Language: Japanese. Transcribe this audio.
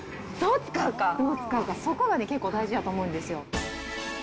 どう使うか、そこが結構大事だと思うんですよ。